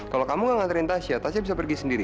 kalau kamu nggak ngantriin tasya tasya bisa pergi sendiri